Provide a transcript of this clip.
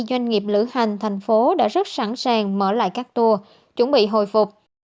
doanh nghiệp lữ hành thành phố đã rất sẵn sàng mở lại các tour chuẩn bị hồi phục